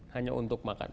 hanya untuk makan